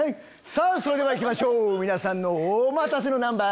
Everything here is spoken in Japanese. さぁそれでは行きましょう皆さんのお待たせのナンバー